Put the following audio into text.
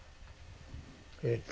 えっと。